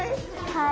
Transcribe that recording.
はい。